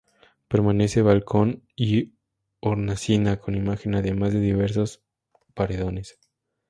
Permanece balcón y hornacina con imagen, además de diversos paredones.